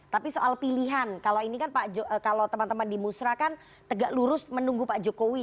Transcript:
tapi soal pilihan kalau teman teman di musra kan tegak lurus menunggu pak jokowi